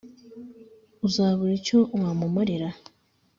Uzabura icyo wamumarira